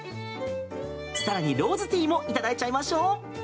更に、ローズティーもいただいちゃいましょう。